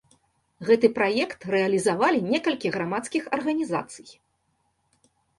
Гэты праект рэалізавалі некалькі грамадскіх арганізацый.